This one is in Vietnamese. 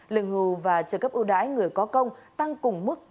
lương hưu và trợ cấp ưu đãi người có công tăng cùng mức